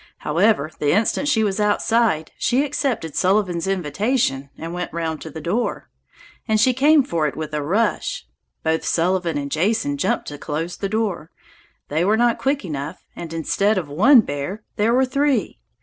However, the instant she was outside, she accepted Sullivan's invitation and went round to the door! And she came for it with a rush! Both Sullivan and Jason jumped to close the door. They were not quick enough, and instead of one bear there were three!